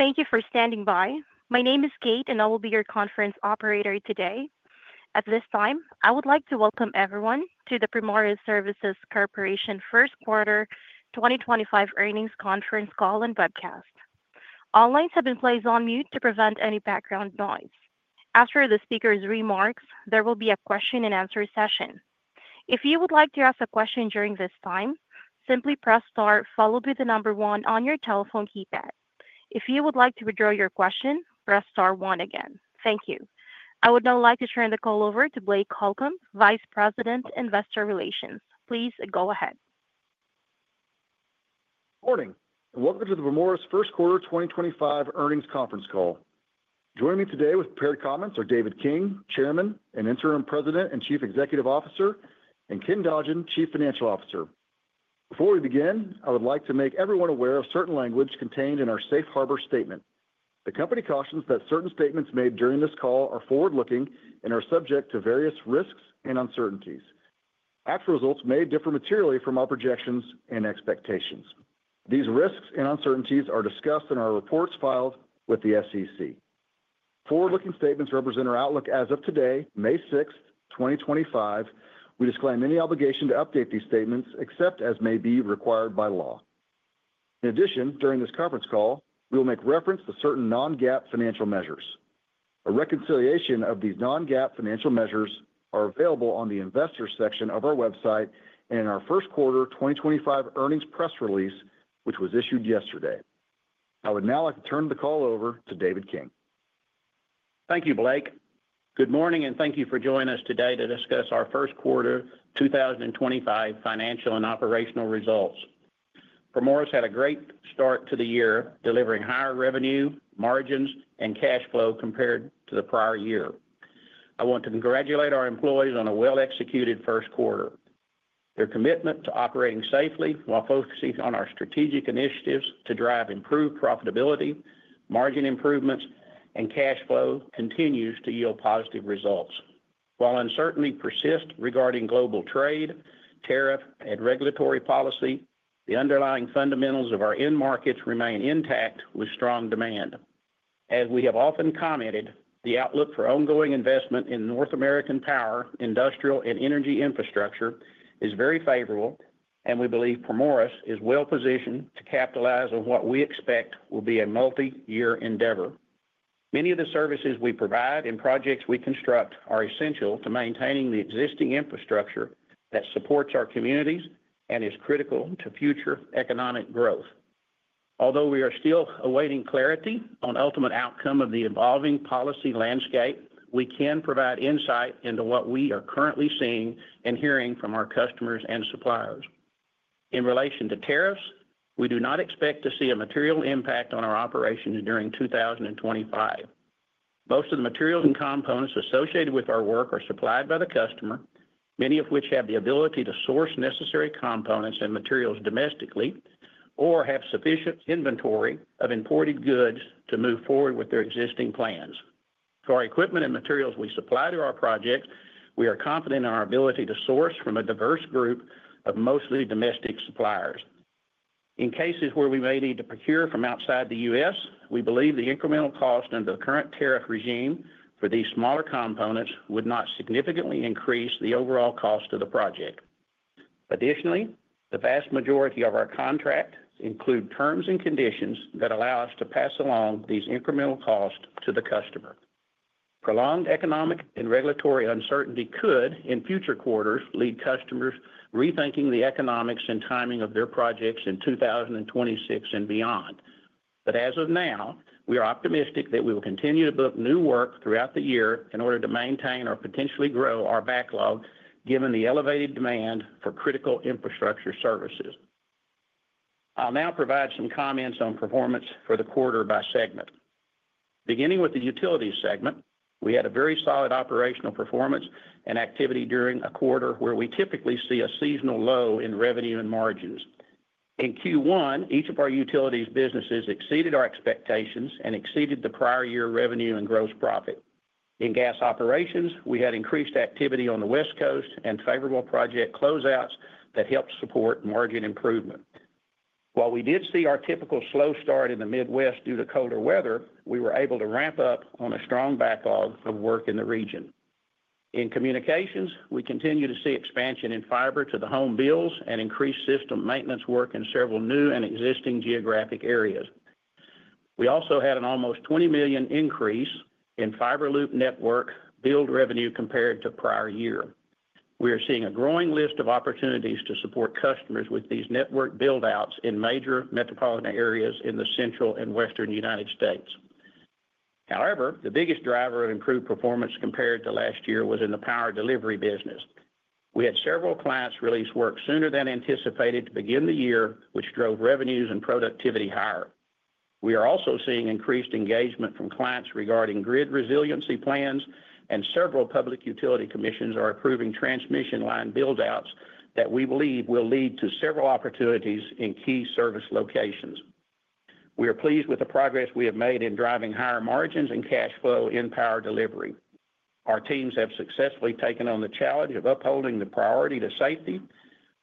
Thank you for standing by. My name is Kate, and I will be your conference operator today. At this time, I would like to welcome everyone to the Primoris Services Corporation First Quarter 2025 earnings conference call and webcast. All lines have been placed on mute to prevent any background noise. After the speaker's remarks, there will be a Q&A session. If you would like to ask a question during this time, simply press star, followed by the number one on your telephone keypad. If you would like to withdraw your question, press star one again. Thank you. I would now like to turn the call over to Blake Holcomb, Vice President, Investor Relations. Please go ahead. Good morning. Welcome to the Primoris First Quarter 2025 earnings conference call. Joining me today with prepared comments are David King, Chairman and Interim President and Chief Executive Officer, and Ken Dodgen, Chief Financial Officer. Before we begin, I would like to make everyone aware of certain language contained in our Safe Harbor Statement. The company cautions that certain statements made during this call are forward-looking and are subject to various risks and uncertainties. Actual results may differ materially from our projections and expectations. These risks and uncertainties are discussed in our reports filed with the SEC. Forward-looking statements represent our outlook as of today, May 6th, 2025. We disclaim any obligation to update these statements except as may be required by law. In addition, during this conference call, we will make reference to certain non-GAAP financial measures. A reconciliation of these non-GAAP financial measures is available on the Investor section of our website and in our First Quarter 2025 Earnings Press Release, which was issued yesterday. I would now like to turn the call over to David King. Thank you, Blake. Good morning, and thank you for joining us today to discuss our First Quarter 2025 financial and operational results. Primoris had a great start to the year, delivering higher revenue, margins, and cash flow compared to the prior year. I want to congratulate our employees on a well-executed first quarter. Their commitment to operating safely while focusing on our strategic initiatives to drive improved profitability, margin improvements, and cash flow continues to yield positive results. While uncertainty persists regarding global trade, tariff, and regulatory policy, the underlying fundamentals of our end markets remain intact with strong demand. As we have often commented, the outlook for ongoing investment in North American power, industrial, and energy infrastructure is very favorable, and we believe Primoris is well-positioned to capitalize on what we expect will be a multi-year endeavor. Many of the services we provide and projects we construct are essential to maintaining the existing infrastructure that supports our communities and is critical to future economic growth. Although we are still awaiting clarity on the ultimate outcome of the evolving policy landscape, we can provide insight into what we are currently seeing and hearing from our customers and suppliers. In relation to tariffs, we do not expect to see a material impact on our operations during 2025. Most of the materials and components associated with our work are supplied by the customer, many of which have the ability to source necessary components and materials domestically or have sufficient inventory of imported goods to move forward with their existing plans. For our equipment and materials we supply to our projects, we are confident in our ability to source from a diverse group of mostly domestic suppliers. In cases where we may need to procure from outside the U.S., we believe the incremental cost under the current tariff regime for these smaller components would not significantly increase the overall cost of the project. Additionally, the vast majority of our contracts include terms and conditions that allow us to pass along these incremental costs to the customer. Prolonged economic and regulatory uncertainty could, in future quarters, lead customers rethinking the economics and timing of their projects in 2026 and beyond. As of now, we are optimistic that we will continue to book new work throughout the year in order to maintain or potentially grow our backlog given the elevated demand for critical infrastructure services. I'll now provide some comments on performance for the quarter by segment. Beginning with the utilities segment, we had a very solid operational performance and activity during a quarter where we typically see a seasonal low in revenue and margins. In Q1, each of our utilities businesses exceeded our expectations and exceeded the prior year revenue and gross profit. In gas operations, we had increased activity on the West Coast and favorable project closeouts that helped support margin improvement. While we did see our typical slow start in the Midwest due to colder weather, we were able to ramp up on a strong backlog of work in the region. In communications, we continue to see expansion in fiber to the home builds and increased system maintenance work in several new and existing geographic areas. We also had an almost $20 million increase in fiber loop network build revenue compared to prior year. We are seeing a growing list of opportunities to support customers with these network buildouts in major metropolitan areas in the Central and Western United States. However, the biggest driver of improved performance compared to last year was in the power delivery business. We had several clients release work sooner than anticipated to begin the year, which drove revenues and productivity higher. We are also seeing increased engagement from clients regarding grid resiliency plans, and several public utility commissions are approving transmission line buildouts that we believe will lead to several opportunities in key service locations. We are pleased with the progress we have made in driving higher margins and cash flow in power delivery. Our teams have successfully taken on the challenge of upholding the priority to safety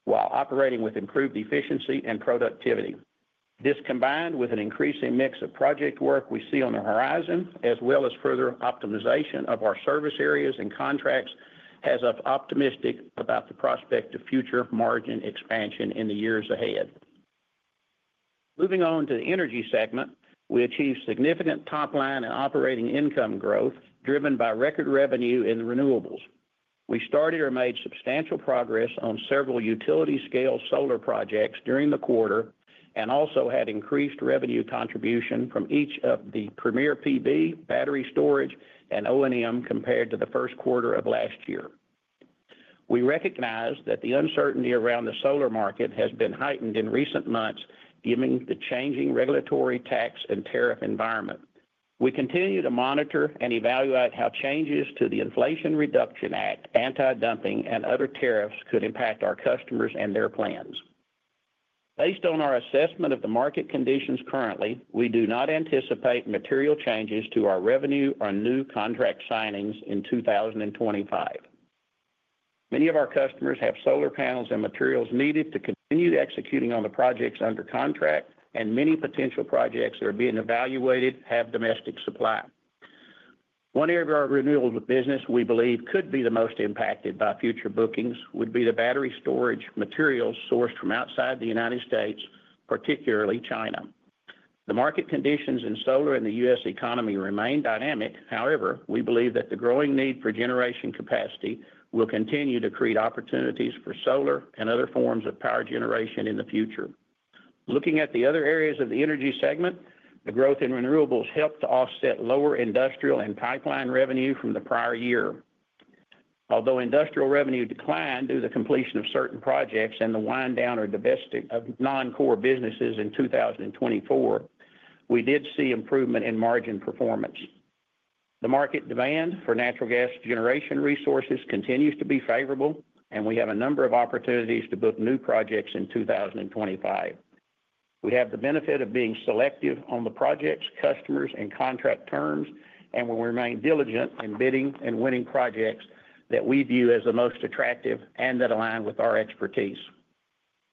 while operating with improved efficiency and productivity. This combined with an increasing mix of project work we see on the horizon, as well as further optimization of our service areas and contracts, has us optimistic about the prospect of future margin expansion in the years ahead. Moving on to the energy segment, we achieved significant top-line and operating income growth driven by record revenue in renewables. We started or made substantial progress on several utility-scale solar projects during the quarter and also had increased revenue contribution from each of the Premier PB, battery storage, and O&M compared to the first quarter of last year. We recognize that the uncertainty around the solar market has been heightened in recent months, given the changing regulatory tax and tariff environment. We continue to monitor and evaluate how changes to the Inflation Reduction Act, anti-dumping, and other tariffs could impact our customers and their plans. Based on our assessment of the market conditions currently, we do not anticipate material changes to our revenue or new contract signings in 2025. Many of our customers have solar panels and materials needed to continue executing on the projects under contract, and many potential projects that are being evaluated have domestic supply. One area of our renewables business we believe could be the most impacted by future bookings would be the battery storage materials sourced from outside the United States, particularly China. The market conditions in solar and the U.S. economy remain dynamic. However, we believe that the growing need for generation capacity will continue to create opportunities for solar and other forms of power generation in the future. Looking at the other areas of the energy segment, the growth in renewables helped to offset lower industrial and pipeline revenue from the prior year. Although industrial revenue declined due to the completion of certain projects and the wind-down or divesting of non-core businesses in 2024, we did see improvement in margin performance. The market demand for natural gas generation resources continues to be favorable, and we have a number of opportunities to book new projects in 2025. We have the benefit of being selective on the projects, customers, and contract terms, and will remain diligent in bidding and winning projects that we view as the most attractive and that align with our expertise.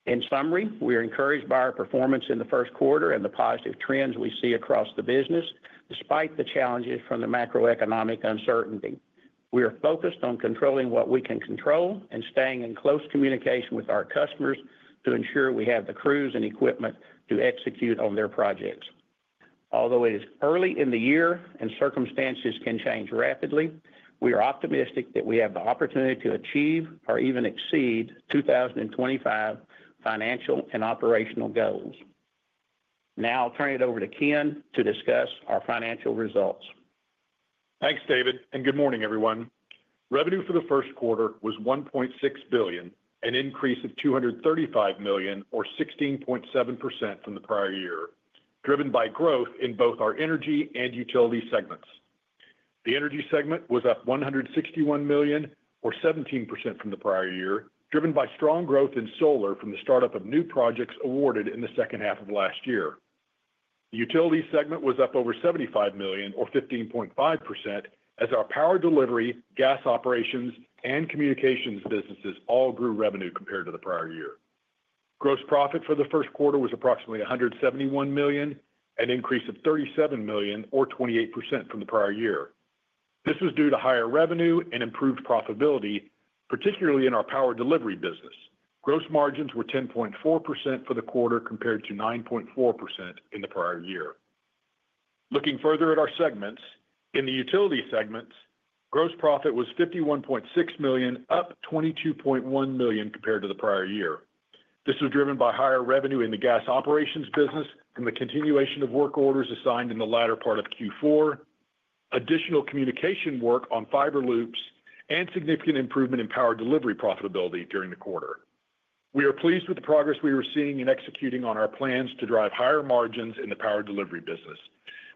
In summary, we are encouraged by our performance in the first quarter and the positive trends we see across the business despite the challenges from the macroeconomic uncertainty. We are focused on controlling what we can control and staying in close communication with our customers to ensure we have the crews and equipment to execute on their projects. Although it is early in the year and circumstances can change rapidly, we are optimistic that we have the opportunity to achieve or even exceed 2025 financial and operational goals. Now I'll turn it over to Ken to discuss our financial results. Thanks, David, and good morning, everyone. Revenue for the first quarter was $1.6 billion, an increase of $235 million, or 16.7% from the prior year, driven by growth in both our energy and utility segments. The energy segment was up $161 million, or 17% from the prior year, driven by strong growth in solar from the startup of new projects awarded in the second half of last year. The utility segment was up over $75 million, or 15.5%, as our power delivery, gas operations, and communications businesses all grew revenue compared to the prior year. Gross profit for the first quarter was approximately $171 million, an increase of $37 million, or 28% from the prior year. This was due to higher revenue and improved profitability, particularly in our power delivery business. Gross margins were 10.4% for the quarter compared to 9.4% in the prior year. Looking further at our segments, in the utility segments, gross profit was $51.6 million, up $22.1 million compared to the prior year. This was driven by higher revenue in the gas operations business from the continuation of work orders assigned in the latter part of Q4, additional communication work on fiber loops, and significant improvement in power delivery profitability during the quarter. We are pleased with the progress we are seeing in executing on our plans to drive higher margins in the power delivery business.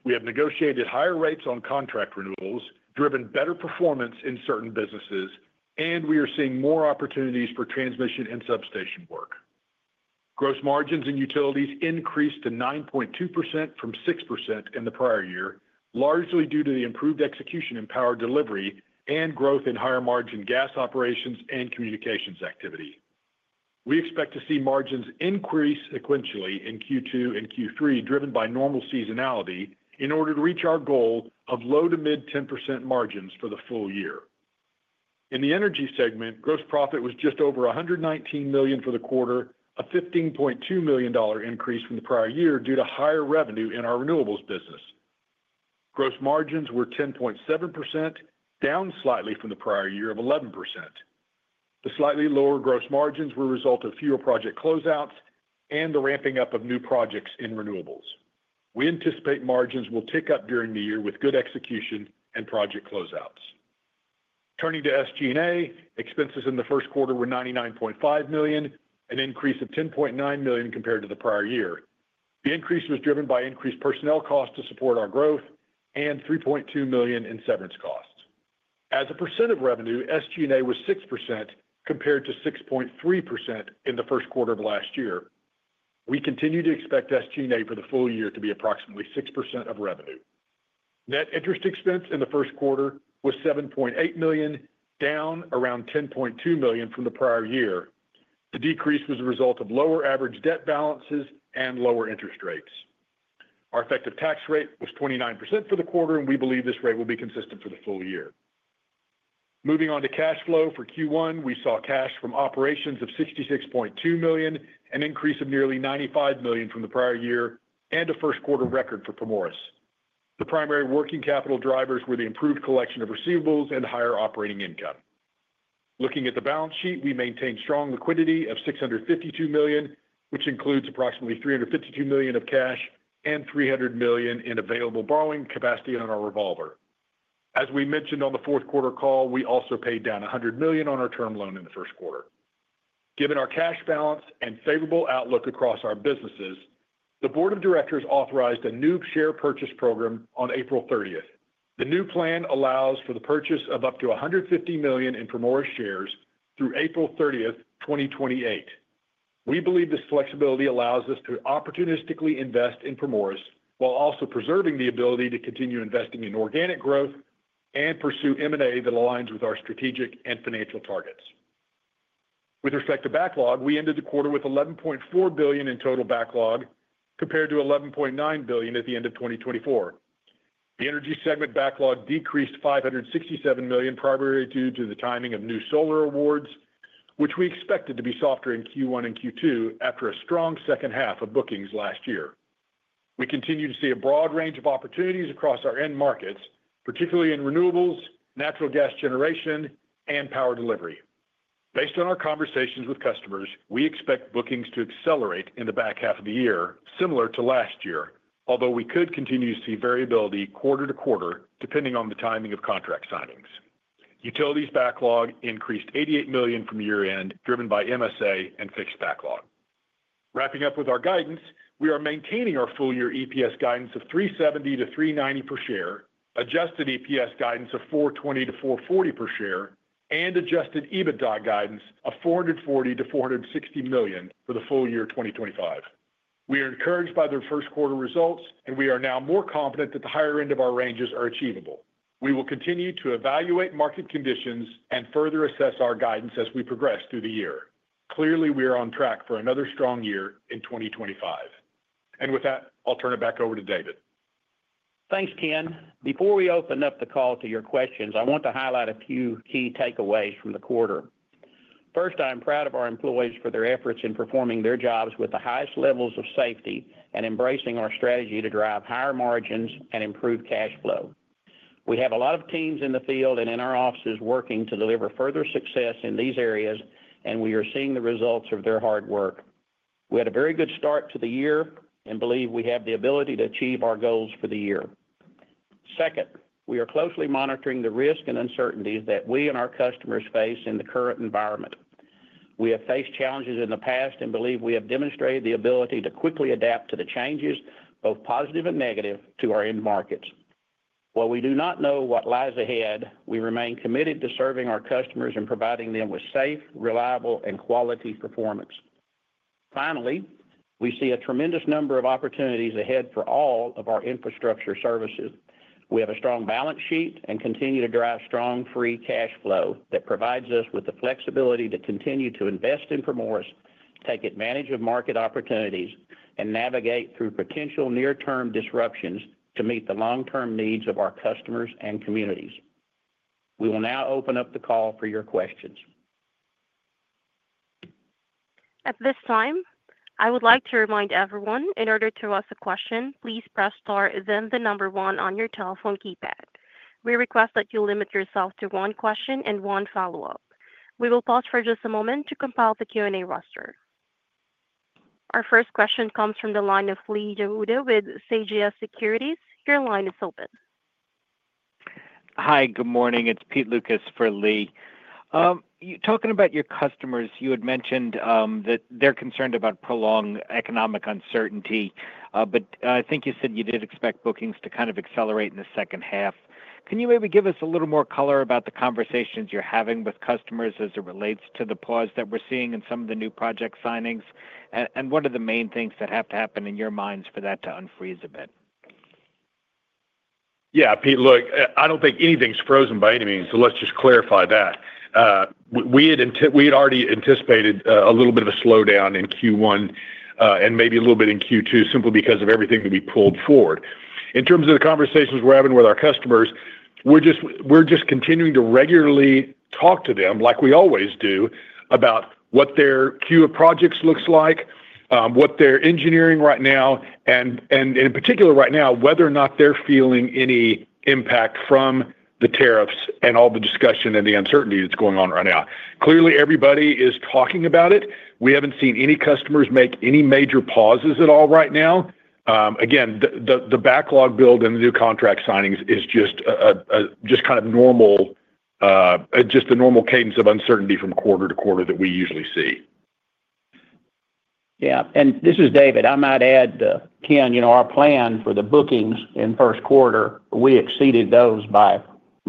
We have negotiated higher rates on contract renewals, driven better performance in certain businesses, and we are seeing more opportunities for transmission and substation work. Gross margins in utilities increased to 9.2% from 6% in the prior year, largely due to the improved execution in power delivery and growth in higher margin gas operations and communications activity. We expect to see margins increase sequentially in Q2 and Q3, driven by normal seasonality in order to reach our goal of low to mid 10% margins for the full year. In the energy segment, gross profit was just over $119 million for the quarter, a $15.2 million increase from the prior year due to higher revenue in our renewables business. Gross margins were 10.7%, down slightly from the prior year of 11%. The slightly lower gross margins were a result of fewer project closeouts and the ramping up of new projects in renewables. We anticipate margins will tick up during the year with good execution and project closeouts. Turning to SG&A, expenses in the first quarter were $99.5 million, an increase of $10.9 million compared to the prior year. The increase was driven by increased personnel costs to support our growth and $3.2 million in severance costs. As a percent of revenue, SG&A was 6% compared to 6.3% in the first quarter of last year. We continue to expect SG&A for the full year to be approximately 6% of revenue. Net interest expense in the first quarter was $7.8 million, down around $10.2 million from the prior year. The decrease was a result of lower average debt balances and lower interest rates. Our effective tax rate was 29% for the quarter, and we believe this rate will be consistent for the full year. Moving on to cash flow for Q1, we saw cash from operations of $66.2 million, an increase of nearly $95 million from the prior year, and a first quarter record for Primoris. The primary working capital drivers were the improved collection of receivables and higher operating income. Looking at the balance sheet, we maintained strong liquidity of $652 million, which includes approximately $352 million of cash and $300 million in available borrowing capacity on our revolver. As we mentioned on the fourth quarter call, we also paid down $100 million on our term loan in the first quarter. Given our cash balance and favorable outlook across our businesses, the Board of Directors authorized a new share purchase program on April 30th. The new plan allows for the purchase of up to $150 million in Primoris shares through April 30th, 2028. We believe this flexibility allows us to opportunistically invest in Primoris while also preserving the ability to continue investing in organic growth and pursue M&A that aligns with our strategic and financial targets. With respect to backlog, we ended the quarter with $11.4 billion in total backlog compared to $11.9 billion at the end of 2024. The energy segment backlog decreased $567 million primarily due to the timing of new solar awards, which we expected to be softer in Q1 and Q2 after a strong second half of bookings last year. We continue to see a broad range of opportunities across our end markets, particularly in renewables, natural gas generation, and power delivery. Based on our conversations with customers, we expect bookings to accelerate in the back half of the year, similar to last year, although we could continue to see variability quarter to quarter depending on the timing of contract signings. Utilities backlog increased $88 million from year-end, driven by MSA and fixed backlog. Wrapping up with our guidance, we are maintaining our full-year EPS guidance of $3.70-$3.90 per share, adjusted EPS guidance of $4.20-$4.40 per share, and adjusted EBITDA guidance of $440-$460 million for the full year 2025. We are encouraged by the first quarter results, and we are now more confident that the higher end of our ranges are achievable. We will continue to evaluate market conditions and further assess our guidance as we progress through the year. Clearly, we are on track for another strong year in 2025. With that, I'll turn it back over to David. Thanks, Ken. Before we open up the call to your questions, I want to highlight a few key takeaways from the quarter. First, I am proud of our employees for their efforts in performing their jobs with the highest levels of safety and embracing our strategy to drive higher margins and improved cash flow. We have a lot of teams in the field and in our offices working to deliver further success in these areas, and we are seeing the results of their hard work. We had a very good start to the year and believe we have the ability to achieve our goals for the year. Second, we are closely monitoring the risk and uncertainties that we and our customers face in the current environment. We have faced challenges in the past and believe we have demonstrated the ability to quickly adapt to the changes, both positive and negative, to our end markets. While we do not know what lies ahead, we remain committed to serving our customers and providing them with safe, reliable, and quality performance. Finally, we see a tremendous number of opportunities ahead for all of our infrastructure services. We have a strong balance sheet and continue to drive strong free cash flow that provides us with the flexibility to continue to invest in Primoris, take advantage of market opportunities, and navigate through potential near-term disruptions to meet the long-term needs of our customers and communities. We will now open up the call for your questions. At this time, I would like to remind everyone in order to ask a question, please press star, then the number one on your telephone keypad. We request that you limit yourself to one question and one follow-up. We will pause for just a moment to compile the Q&A roster. Our first question comes from the line of Lee Jagoda with CJS Securities. Your line is open. Hi, good morning. It's Pete Lukas for Lee. Talking about your customers, you had mentioned that they're concerned about prolonged economic uncertainty, but I think you said you did expect bookings to kind of accelerate in the second half. Can you maybe give us a little more color about the conversations you're having with customers as it relates to the pause that we're seeing in some of the new project signings? What are the main things that have to happen in your minds for that to unfreeze a bit? Yeah, Pete, look, I do not think anything's frozen by any means, so let's just clarify that. We had already anticipated a little bit of a slowdown in Q1 and maybe a little bit in Q2 simply because of everything that we pulled forward. In terms of the conversations we're having with our customers, we're just continuing to regularly talk to them, like we always do, about what their queue of projects looks like, what they're engineering right now, and in particular right now, whether or not they're feeling any impact from the tariffs and all the discussion and the uncertainty that's going on right now. Clearly, everybody is talking about it. We have not seen any customers make any major pauses at all right now. Again, the backlog build and the new contract signings is just kind of normal, just the normal cadence of uncertainty from quarter to quarter that we usually see. Yeah, and this is David. I might add, Ken, our plan for the bookings in first quarter, we exceeded those by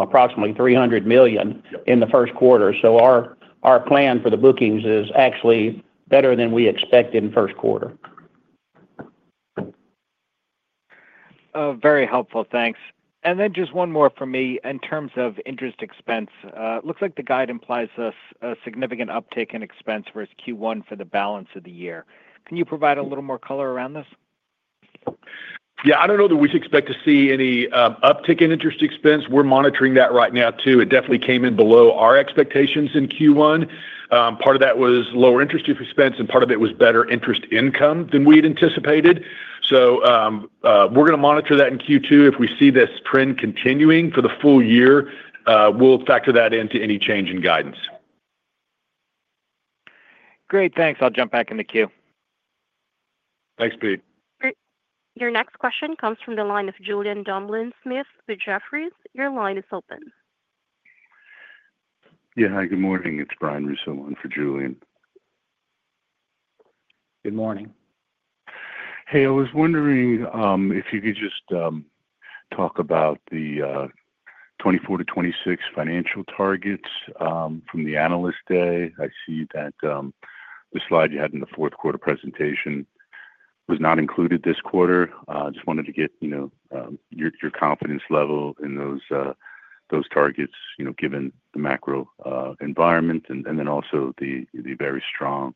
approximately $300 million in the first quarter. So our plan for the bookings is actually better than we expected in first quarter. Very helpful, thanks. Just one more for me in terms of interest expense. It looks like the guide implies a significant uptick in expense for Q1 for the balance of the year. Can you provide a little more color around this? Yeah, I don't know that we expect to see any uptick in interest expense. We're monitoring that right now too. It definitely came in below our expectations in Q1. Part of that was lower interest expense, and part of it was better interest income than we had anticipated. We're going to monitor that in Q2. If we see this trend continuing for the full year, we'll factor that into any change in guidance. Great, thanks. I'll jump back in the queue. Thanks, Pete. Your next question comes from the line of Julien Dumoulin-Smith with Jefferies. Your line is open. Yeah, hi, good morning. It's Brian Russo for Julien. Good morning. Hey, I was wondering if you could just talk about the 2024 to 2026 financial targets from the analyst day. I see that the slide you had in the fourth quarter presentation was not included this quarter. I just wanted to get your confidence level in those targets, given the macro environment, and then also the very strong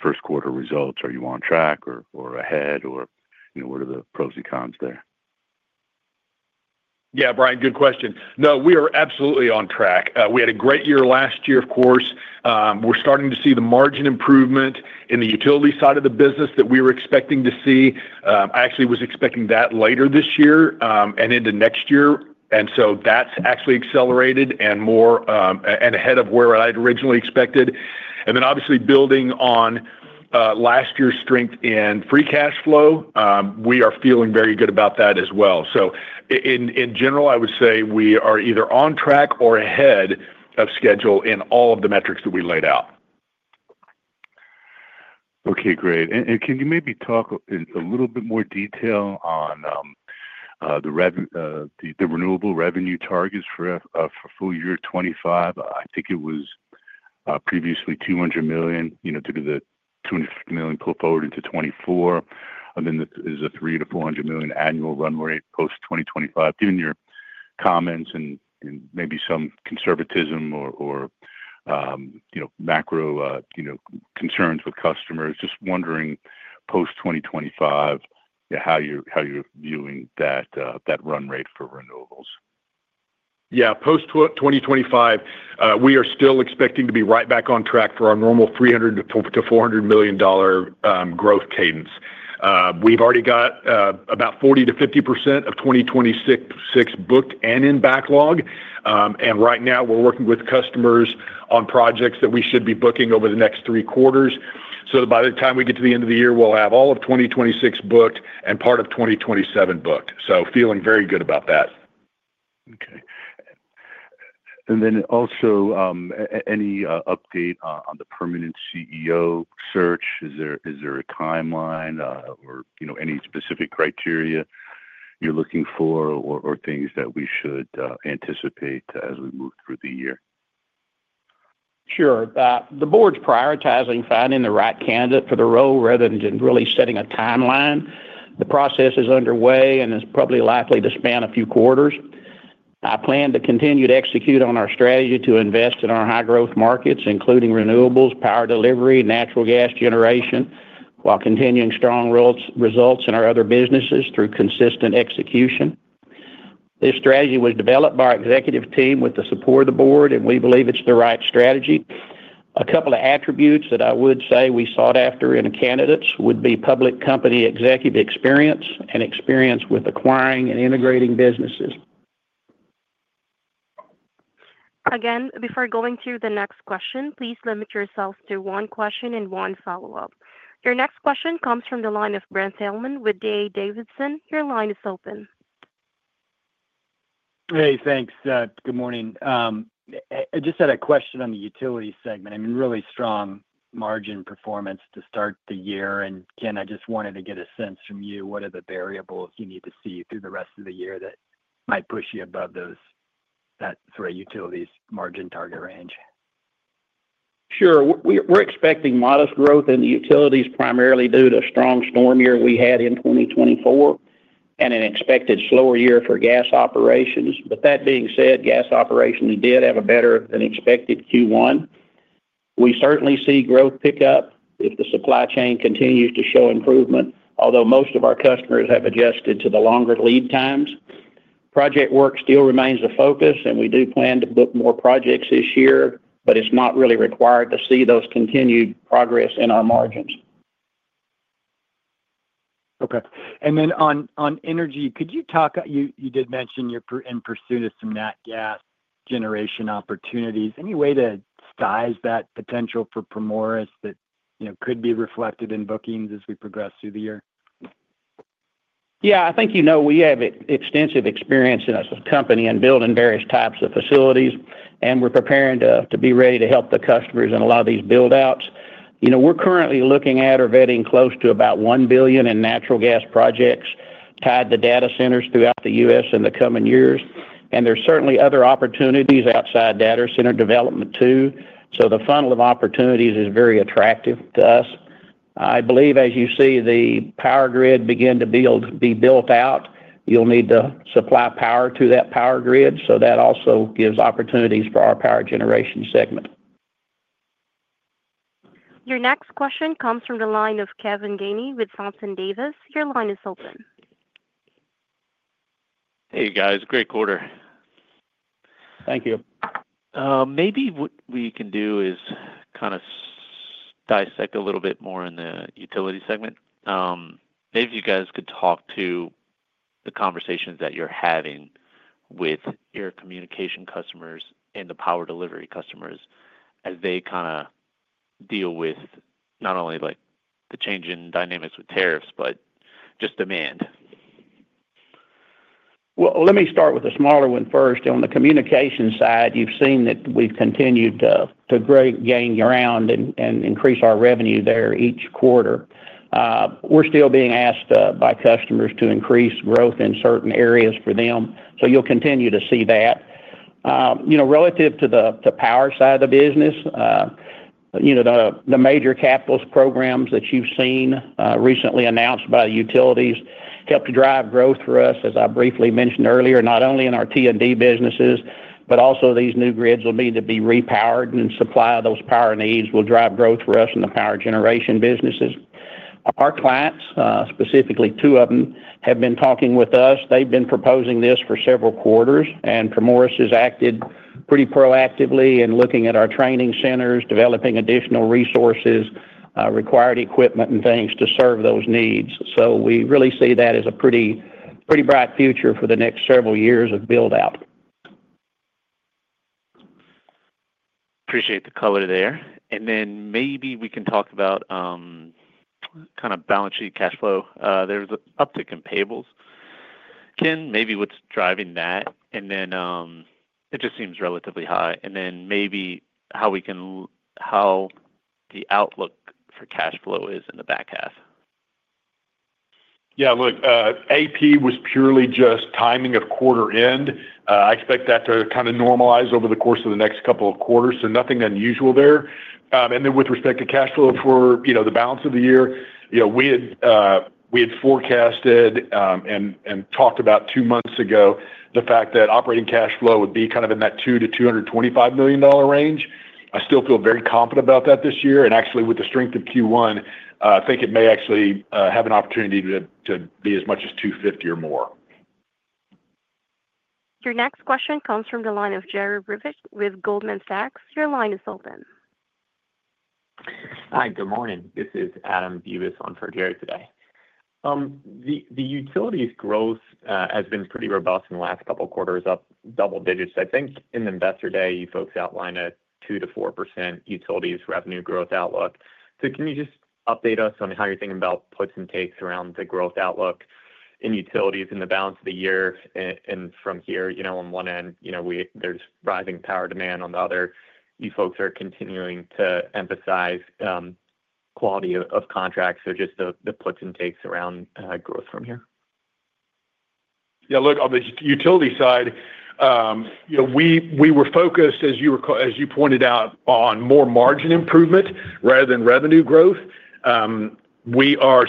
first quarter results. Are you on track or ahead, or what are the pros and cons there? Yeah, Brian, good question. No, we are absolutely on track. We had a great year last year, of course. We're starting to see the margin improvement in the utility side of the business that we were expecting to see. I actually was expecting that later this year and into next year. That has actually accelerated and is ahead of where I had originally expected. Obviously, building on last year's strength in free cash flow, we are feeling very good about that as well. In general, I would say we are either on track or ahead of schedule in all of the metrics that we laid out. Okay, great. Can you maybe talk in a little bit more detail on the renewable revenue targets for full year 2025? I think it was previously $200 million due to the $250 million pulled forward into 2024. There is a $300 million-$400 million annual run rate post 2025. Given your comments and maybe some conservatism or macro concerns with customers, just wondering post 2025, how you're viewing that run rate for renewables? Yeah, post 2025, we are still expecting to be right back on track for our normal $300 million-$400 million growth cadence. We've already got about 40%-50% of 2026 booked and in backlog. Right now, we're working with customers on projects that we should be booking over the next three quarters. By the time we get to the end of the year, we'll have all of 2026 booked and part of 2027 booked. Feeling very good about that. Okay. Also, any update on the permanent CEO search? Is there a timeline or any specific criteria you're looking for or things that we should anticipate as we move through the year? Sure. The board's prioritizing finding the right candidate for the role rather than just really setting a timeline. The process is underway and is probably likely to span a few quarters. I plan to continue to execute on our strategy to invest in our high-growth markets, including renewables, power delivery, natural gas generation, while continuing strong results in our other businesses through consistent execution. This strategy was developed by our executive team with the support of the board, and we believe it's the right strategy. A couple of attributes that I would say we sought after in candidates would be public company executive experience and experience with acquiring and integrating businesses. Again, before going to the next question, please limit yourself to one question and one follow-up. Your next question comes from the line of Brent Thielman with D.A. Davidson. Your line is open. Hey, thanks. Good morning. I just had a question on the utility segment. I mean, really strong margin performance to start the year. Ken, I just wanted to get a sense from you, what are the variables you need to see through the rest of the year that might push you above that sort of utilities margin target range? Sure. We're expecting modest growth in the utilities primarily due to a strong storm year we had in 2024 and an expected slower year for gas operations. That being said, gas operations did have a better-than-expected Q1. We certainly see growth pick up if the supply chain continues to show improvement, although most of our customers have adjusted to the longer lead times. Project work still remains a focus, and we do plan to book more projects this year, but it's not really required to see those continued progress in our margins. Okay. Could you talk—you did mention you're in pursuit of some natural gas generation opportunities. Any way to size that potential for Primoris that could be reflected in bookings as we progress through the year? Yeah, I think you know we have extensive experience as a company in building various types of facilities, and we're preparing to be ready to help the customers in a lot of these buildouts. We're currently looking at or vetting close to about $1 billion in natural gas projects tied to data centers throughout the U.S. in the coming years. There's certainly other opportunities outside data center development too. The funnel of opportunities is very attractive to us. I believe, as you see the power grid begin to be built out, you'll need to supply power to that power grid. That also gives opportunities for our power generation segment. Your next question comes from the line of Kevin Gainey with Thompson Davis. Your line is open. Hey, guys. Great quarter. Thank you. Maybe what we can do is kind of dissect a little bit more in the utility segment. Maybe you guys could talk to the conversations that you're having with your communications customers and the power delivery customers as they kind of deal with not only the change in dynamics with tariffs, but just demand. Let me start with a smaller one first. On the communications side, you've seen that we've continued to gain ground and increase our revenue there each quarter. We're still being asked by customers to increase growth in certain areas for them. You'll continue to see that. Relative to the power side of the business, the major capital programs that you've seen recently announced by the utilities help to drive growth for us, as I briefly mentioned earlier, not only in our T&D businesses, but also these new grids will need to be repowered and supplying those power needs will drive growth for us in the power generation businesses. Our clients, specifically two of them, have been talking with us. They've been proposing this for several quarters, and Primoris has acted pretty proactively in looking at our training centers, developing additional resources, required equipment, and things to serve those needs. We really see that as a pretty bright future for the next several years of buildout. Appreciate the color there. Maybe we can talk about kind of balance sheet cash flow. There is an uptick in payables. Ken, maybe what is driving that? It just seems relatively high. Maybe how the outlook for cash flow is in the back half. Yeah, look, AP was purely just timing of quarter end. I expect that to kind of normalize over the course of the next couple of quarters, so nothing unusual there. With respect to cash flow for the balance of the year, we had forecasted and talked about two months ago the fact that operating cash flow would be kind of in that $200 million-$225 million range. I still feel very confident about that this year. Actually, with the strength of Q1, I think it may actually have an opportunity to be as much as $250 million or more. Your next question comes from the line of Jerry Revich with Goldman Sachs. Your line is open. Hi, good morning. This is Adam Bubes on for Jerry today. The utilities growth has been pretty robust in the last couple of quarters, up double digits. I think in the investor day, you folks outlined a 2%-4% utilities revenue growth outlook. Can you just update us on how you're thinking about puts and takes around the growth outlook in utilities in the balance of the year? From here, on one end, there's rising power demand. On the other, you folks are continuing to emphasize quality of contracts. Just the puts and takes around growth from here. Yeah, look, on the utility side, we were focused, as you pointed out, on more margin improvement rather than revenue growth. We are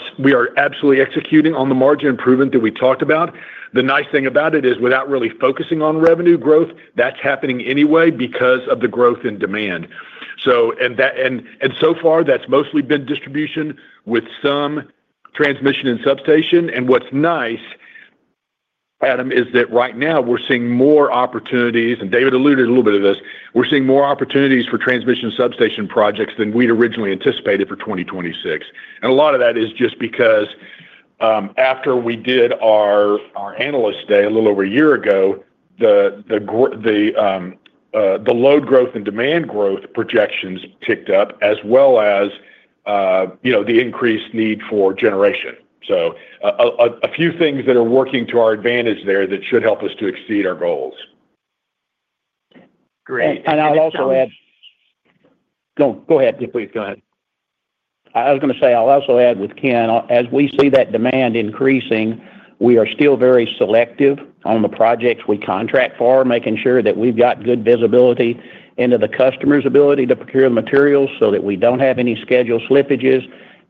absolutely executing on the margin improvement that we talked about. The nice thing about it is, without really focusing on revenue growth, that's happening anyway because of the growth in demand. So far, that's mostly been distribution with some transmission and substation. What's nice, Adam, is that right now we're seeing more opportunities, and David alluded a little bit to this. We're seeing more opportunities for transmission and substation projects than we'd originally anticipated for 2026. A lot of that is just because after we did our analyst day a little over a year ago, the load growth and demand growth projections ticked up, as well as the increased need for generation. A few things that are working to our advantage there that should help us to exceed our goals. Great. I'll also add. Go ahead, please. Go ahead. I was going to say I'll also add with Ken, as we see that demand increasing, we are still very selective on the projects we contract for, making sure that we've got good visibility into the customer's ability to procure the materials so that we don't have any schedule slippages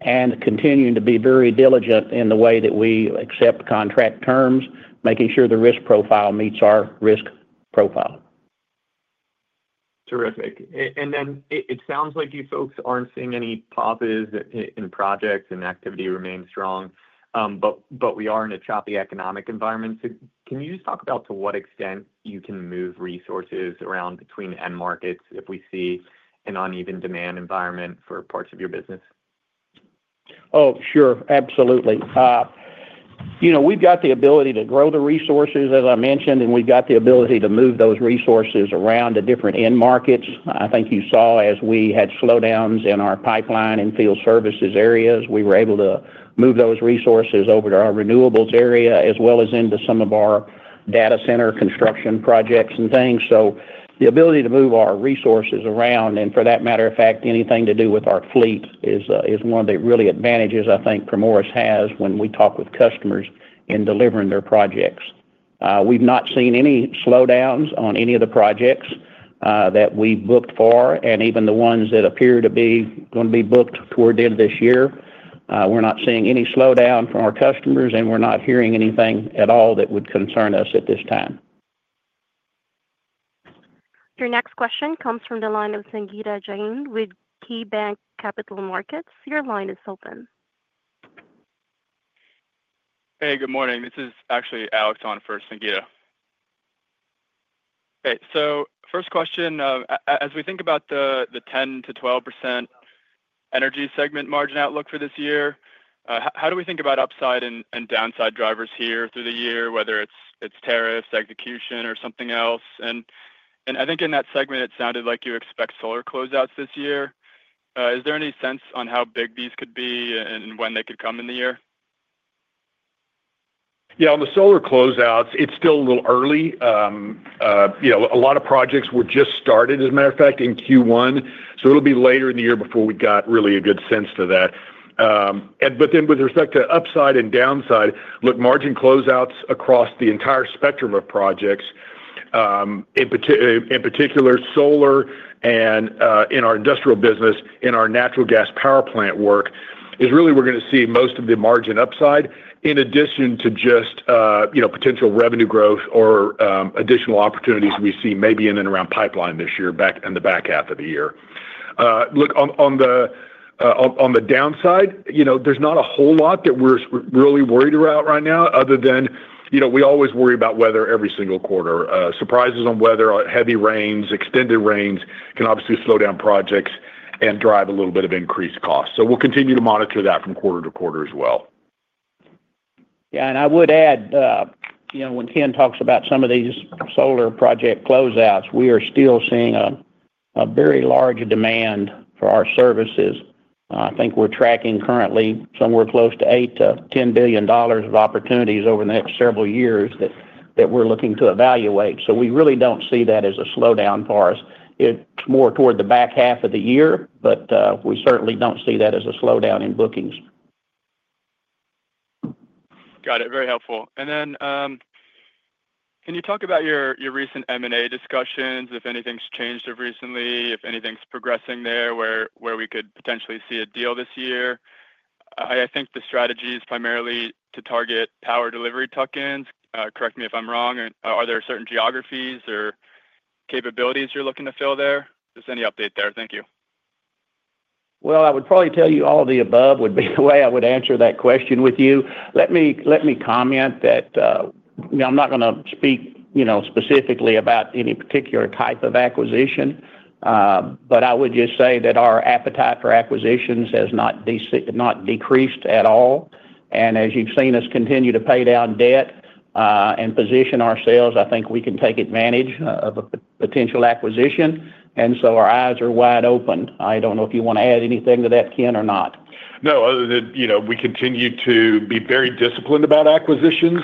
and continuing to be very diligent in the way that we accept contract terms, making sure the risk profile meets our risk profile. Terrific. It sounds like you folks aren't seeing any pauses in projects and activity remains strong, but we are in a choppy economic environment. Can you just talk about to what extent you can move resources around between end markets if we see an uneven demand environment for parts of your business? Oh, sure. Absolutely. We've got the ability to grow the resources, as I mentioned, and we've got the ability to move those resources around to different end markets. I think you saw as we had slowdowns in our pipeline and field services areas, we were able to move those resources over to our renewables area as well as into some of our data center construction projects and things. The ability to move our resources around, and for that matter of fact, anything to do with our fleet is one of the real advantages I think Primoris has when we talk with customers in delivering their projects. We've not seen any slowdowns on any of the projects that we booked for, and even the ones that appear to be going to be booked toward the end of this year, we're not seeing any slowdown from our customers, and we're not hearing anything at all that would concern us at this time. Your next question comes from the line of Sangita Jain with KeyBanc Capital Markets. Your line is open. Hey, good morning. This is actually Alex on for Sangita. Okay. First question, as we think about the 10%-12% energy segment margin outlook for this year, how do we think about upside and downside drivers here through the year, whether it's tariffs, execution, or something else? I think in that segment, it sounded like you expect solar closeouts this year. Is there any sense on how big these could be and when they could come in the year? Yeah, on the solar closeouts, it's still a little early. A lot of projects were just started, as a matter of fact, in Q1. It will be later in the year before we got really a good sense to that. With respect to upside and downside, look, margin closeouts across the entire spectrum of projects, in particular solar and in our industrial business, in our natural gas power plant work, is really where we're going to see most of the margin upside, in addition to just potential revenue growth or additional opportunities we see maybe in and around pipeline this year in the back half of the year. On the downside, there's not a whole lot that we're really worried about right now other than we always worry about weather every single quarter. Surprises on weather, heavy rains, extended rains can obviously slow down projects and drive a little bit of increased costs. We'll continue to monitor that from quarter to quarter as well. Yeah. I would add, when Ken talks about some of these solar project closeouts, we are still seeing a very large demand for our services. I think we're tracking currently somewhere close to $8 billion-$10 billion of opportunities over the next several years that we're looking to evaluate. We really do not see that as a slowdown for us. It is more toward the back half of the year, but we certainly do not see that as a slowdown in bookings. Got it. Very helpful. Can you talk about your recent M&A discussions? If anything's changed recently, if anything's progressing there where we could potentially see a deal this year? I think the strategy is primarily to target power delivery tuck-ins. Correct me if I'm wrong. Are there certain geographies or capabilities you're looking to fill there? Just any update there. Thank you. I would probably tell you all the above would be the way I would answer that question with you. Let me comment that I'm not going to speak specifically about any particular type of acquisition, but I would just say that our appetite for acquisitions has not decreased at all. As you've seen us continue to pay down debt and position ourselves, I think we can take advantage of a potential acquisition. Our eyes are wide open. I don't know if you want to add anything to that, Ken, or not. No, other than we continue to be very disciplined about acquisitions,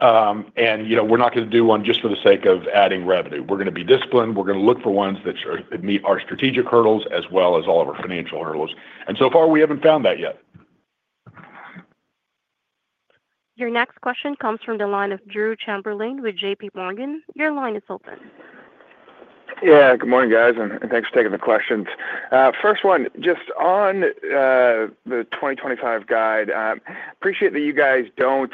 and we're not going to do one just for the sake of adding revenue. We're going to be disciplined. We're going to look for ones that meet our strategic hurdles as well as all of our financial hurdles. So far, we haven't found that yet. Your next question comes from the line of Drew Chamberlain with JP Morgan. Your line is open. Yeah. Good morning, guys. Thanks for taking the questions. First one, just on the 2025 guide, I appreciate that you guys don't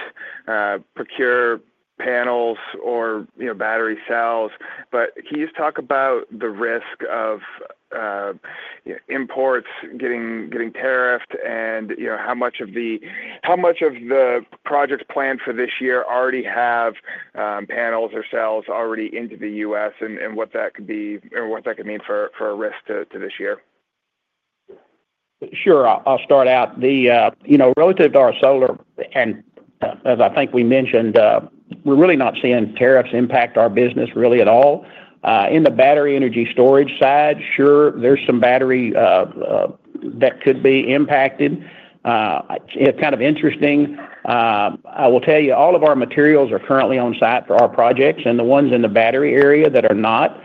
procure panels or battery cells, but can you just talk about the risk of imports getting tariffed and how much of the projects planned for this year already have panels or cells already into the U.S. and what that could be and what that could mean for risk to this year? Sure. I'll start out. Relative to our solar, and as I think we mentioned, we're really not seeing tariffs impact our business really at all. In the battery energy storage side, sure, there's some battery that could be impacted. It's kind of interesting. I will tell you, all of our materials are currently on site for our projects, and the ones in the battery area that are not,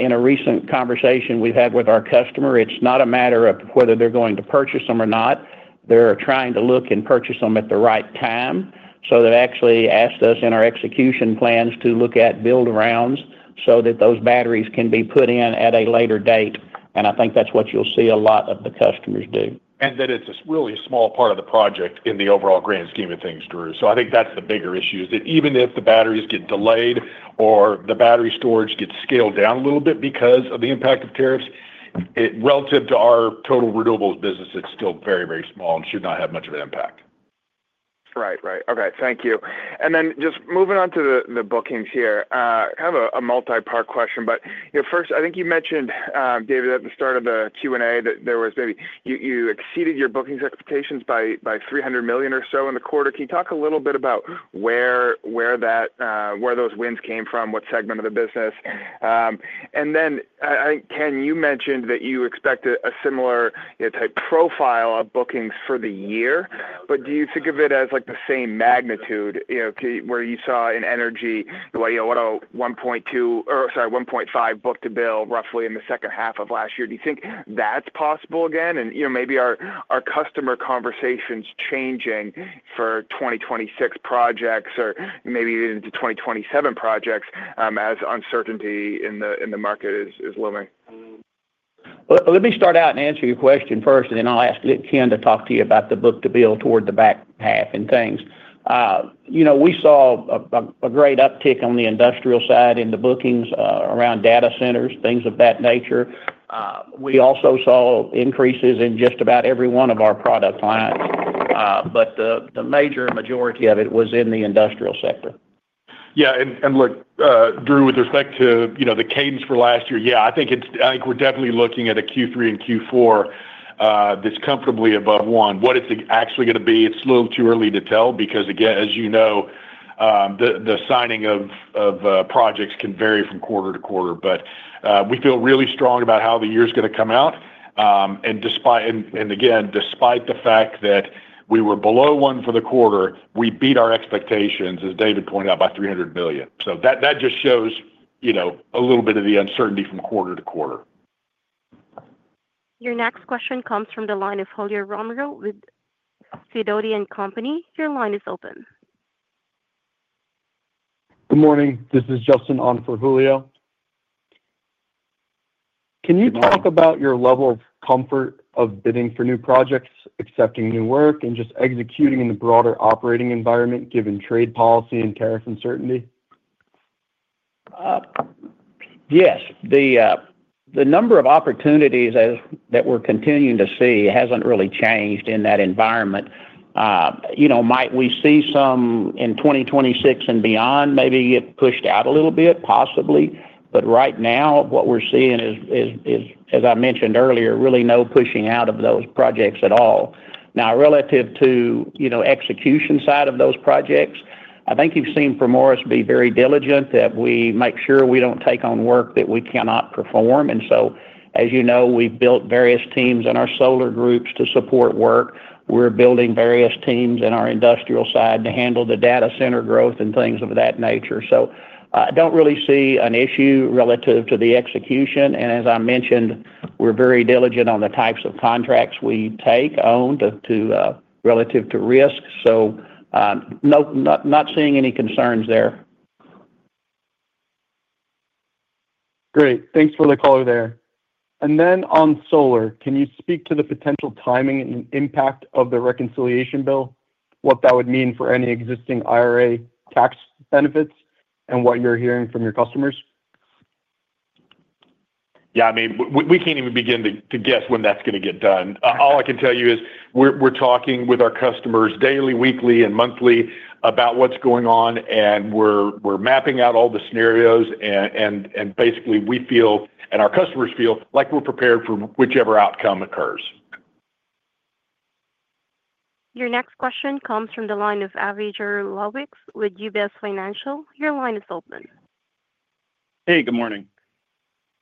in a recent conversation we've had with our customer, it's not a matter of whether they're going to purchase them or not. They're trying to look and purchase them at the right time. They have actually asked us in our execution plans to look at build-arounds so that those batteries can be put in at a later date. I think that's what you'll see a lot of the customers do. It is really a small part of the project in the overall grand scheme of things, Drew. I think that is the bigger issue, that even if the batteries get delayed or the battery storage gets scaled down a little bit because of the impact of tariffs, relative to our total renewables business, it is still very, very small and should not have much of an impact. Right. Right. Okay. Thank you. And then just moving on to the bookings here, kind of a multi-part question, but first, I think you mentioned, David, at the start of the Q&A that there was maybe you exceeded your bookings expectations by $300 million or so in the quarter. Can you talk a little bit about where those wins came from, what segment of the business? And then, I think, Ken, you mentioned that you expect a similar type profile of bookings for the year, but do you think of it as the same magnitude where you saw in energy what a 1.2 or sorry, 1.5 book-to-bill roughly in the second half of last year? Do you think that's possible again? And maybe are customer conversations changing for 2026 projects or maybe even into 2027 projects as uncertainty in the market is looming? Let me start out and answer your question first, and then I'll ask Ken to talk to you about the book-to-bill toward the back half and things. We saw a great uptick on the industrial side in the bookings around data centers, things of that nature. We also saw increases in just about every one of our product lines, but the major majority of it was in the industrial sector. Yeah. And look, Drew, with respect to the cadence for last year, yeah, I think we're definitely looking at a Q3 and Q4 that's comfortably above one. What it's actually going to be, it's a little too early to tell because, again, as you know, the signing of projects can vary from quarter to quarter. But we feel really strong about how the year is going to come out. And again, despite the fact that we were below one for the quarter, we beat our expectations, as David pointed out, by $300 million. So that just shows a little bit of the uncertainty from quarter to quarter. Your next question comes from the line of Julio Romero with Sidoti & Company. Your line is open. Good morning. This is Justin on for Julio. Can you talk about your level of comfort of bidding for new projects, accepting new work, and just executing in the broader operating environment given trade policy and tariff uncertainty? Yes. The number of opportunities that we're continuing to see hasn't really changed in that environment. Might we see some in 2026 and beyond, maybe get pushed out a little bit, possibly. Right now, what we're seeing is, as I mentioned earlier, really no pushing out of those projects at all. Now, relative to execution side of those projects, I think you've seen Primoris be very diligent that we make sure we don't take on work that we cannot perform. As you know, we've built various teams in our solar groups to support work. We're building various teams in our industrial side to handle the data center growth and things of that nature. I don't really see an issue relative to the execution. As I mentioned, we're very diligent on the types of contracts we take relative to risk. Not seeing any concerns there. Great. Thanks for the color there. Then on solar, can you speak to the potential timing and impact of the reconciliation bill, what that would mean for any existing IRA tax benefits, and what you're hearing from your customers? Yeah. I mean, we can't even begin to guess when that's going to get done. All I can tell you is we're talking with our customers daily, weekly, and monthly about what's going on, and we're mapping out all the scenarios. Basically, we feel and our customers feel like we're prepared for whichever outcome occurs. Your next question comes from the line of Avi Jaroslawicz with UBS Financial. Your line is open. Hey, good morning.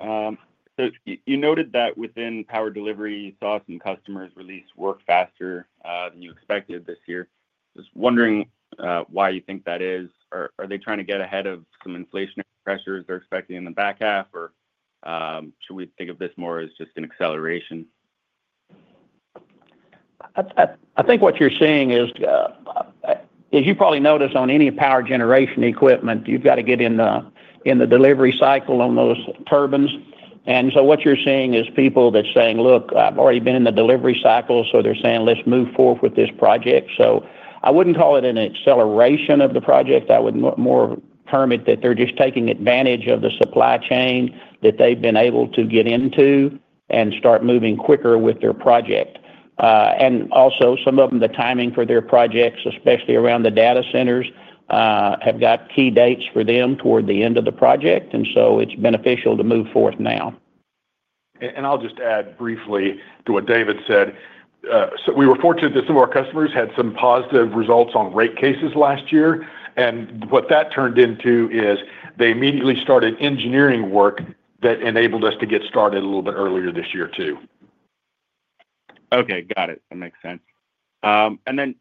You noted that within power delivery, you saw some customers release work faster than you expected this year. Just wondering why you think that is. Are they trying to get ahead of some inflationary pressures they're expecting in the back half, or should we think of this more as just an acceleration? I think what you're seeing is, as you probably noticed on any power generation equipment, you've got to get in the delivery cycle on those turbines. What you're seeing is people that's saying, "Look, I've already been in the delivery cycle," so they're saying, "Let's move forward with this project." I wouldn't call it an acceleration of the project. I would more term it that they're just taking advantage of the supply chain that they've been able to get into and start moving quicker with their project. Also, some of them, the timing for their projects, especially around the data centers, have got key dates for them toward the end of the project. It is beneficial to move forward now. I'll just add briefly to what David said. We were fortunate that some of our customers had some positive results on rate cases last year. What that turned into is they immediately started engineering work that enabled us to get started a little bit earlier this year too. Okay. Got it. That makes sense.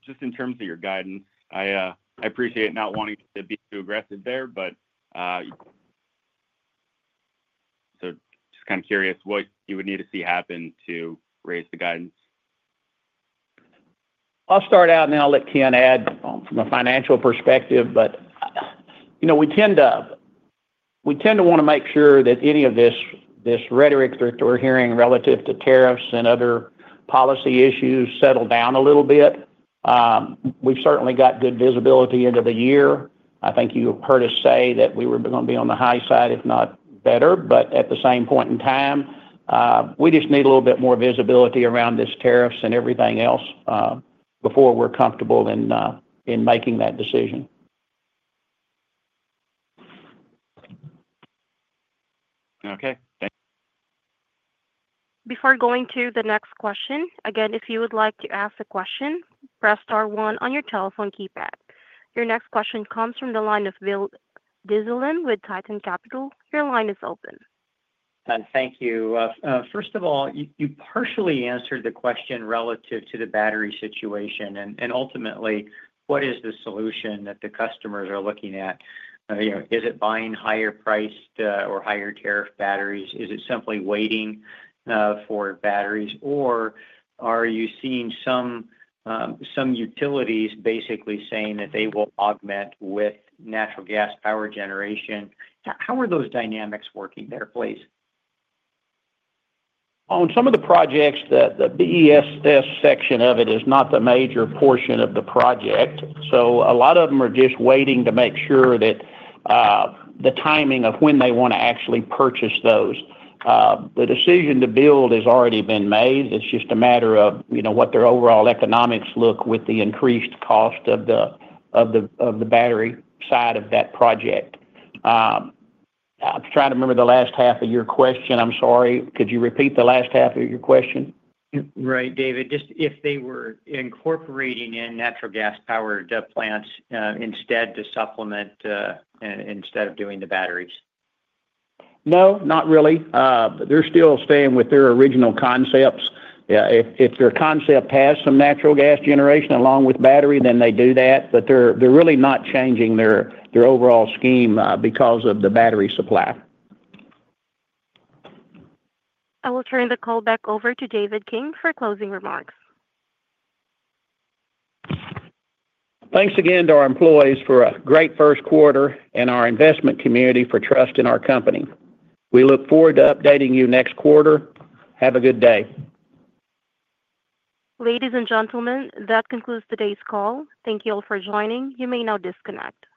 Just in terms of your guidance, I appreciate not wanting to be too aggressive there, but just kind of curious what you would need to see happen to raise the guidance. I'll start out, and then I'll let Ken add from a financial perspective. We tend to want to make sure that any of this rhetoric that we're hearing relative to tariffs and other policy issues settle down a little bit. We've certainly got good visibility into the year. I think you heard us say that we were going to be on the high side, if not better, but at the same point in time, we just need a little bit more visibility around this tariffs and everything else before we're comfortable in making that decision. Okay. Thanks. Before going to the next question, again, if you would like to ask a question, press star one on your telephone keypad. Your next question comes from the line of Bill Dezellem with Tieton Capital. Your line is open. Thank you. First of all, you partially answered the question relative to the battery situation. Ultimately, what is the solution that the customers are looking at? Is it buying higher-priced or higher tariff batteries? Is it simply waiting for batteries? Or are you seeing some utilities basically saying that they will augment with natural gas power generation? How are those dynamics working there, please? On some of the projects, the BESS section of it is not the major portion of the project. A lot of them are just waiting to make sure that the timing of when they want to actually purchase those. The decision to build has already been made. It is just a matter of what their overall economics look with the increased cost of the battery side of that project. I am trying to remember the last half of your question. I am sorry. Could you repeat the last half of your question? Right, David. Just if they were incorporating a natural gas power plant instead to supplement instead of doing the batteries. No, not really. They're still staying with their original concepts. If their concept has some natural gas generation along with battery, then they do that. They're really not changing their overall scheme because of the battery supply. I will turn the call back over to David King for closing remarks. Thanks again to our employees for a great first quarter and our investment community for trust in our company. We look forward to updating you next quarter. Have a good day. Ladies and gentlemen, that concludes today's call. Thank you all for joining. You may now disconnect.